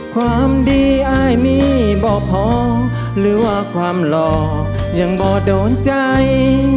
ความดีอายมีบ่พอหรือว่าความหล่อยังบ่โดนใจ